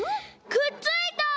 くっついた！